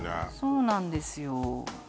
そうなんですよ